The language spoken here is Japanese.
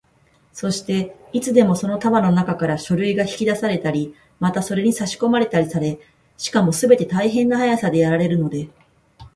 そして、いつでもその束のなかから書類が引き出されたり、またそれにさしこまれたりされ、しかもすべて大変な速さでやられるので、